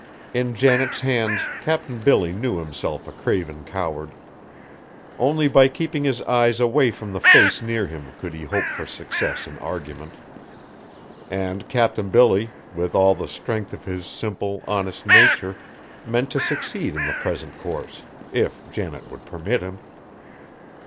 In Janet's hands Cap'n Billy knew himself a craven coward. Only by keeping his eyes away from the face near him could he hope for success in argument. And Cap'n Billy, with all the strength of his simple, honest nature, meant to succeed in the present course if Janet would permit him!